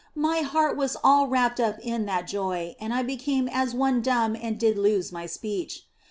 My heart was all wrapped up in that joy and I became as one dumb and did lose my speech.